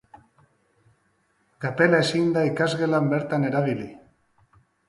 Kapela ezin da ikasgelan bertan erabili.